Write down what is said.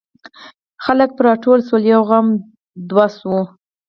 خلک پر راټول شول یو غم دوه شو.